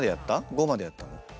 ５までやったの？